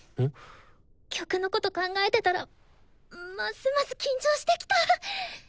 曲のこと考えてたらますます緊張してきた。